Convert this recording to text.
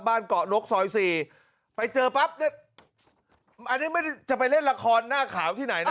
เกาะนกซอยสี่ไปเจอปั๊บเนี่ยอันนี้ไม่ได้จะไปเล่นละครหน้าขาวที่ไหนนะ